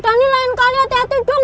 tidak pak daniel lain kali hati hati dong